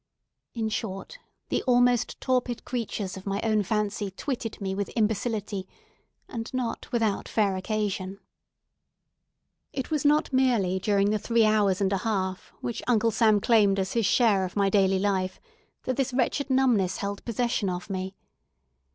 In short, the almost torpid creatures of my own fancy twitted me with imbecility, and not without fair occasion. It was not merely during the three hours and a half which Uncle Sam claimed as his share of my daily life that this wretched numbness held possession of me.